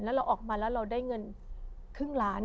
แล้วเราออกมาแล้วเราได้เงินครึ่งล้าน